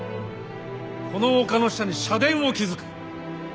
この丘の下に社殿を築く。